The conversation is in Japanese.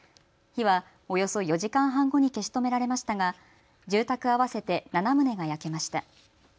火はおよそ４時間半後に消し止められましたが住宅合わせて７棟が焼けました。